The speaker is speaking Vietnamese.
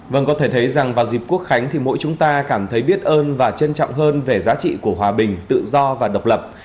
vâng có thể thấy rằng vào dịp quốc khánh thì mỗi chúng ta cảm thấy biết ơn và trân trọng hơn về giá trị của hòa bình tự do và độc lập